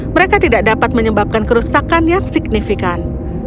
mereka tidak dapat menyebabkan kerusakan yang signifikan